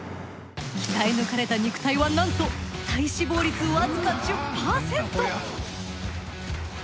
鍛え抜かれた肉体はなんと体脂肪率わずか１０％。